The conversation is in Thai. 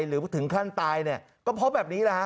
หรือถึงขั้นตายเนี่ยก็เพราะแบบนี้แหละฮะ